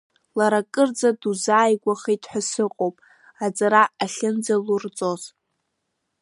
Лара акырӡа дузааигәахеит ҳәа сыҟоуп аҵара ахьынӡалурҵоз.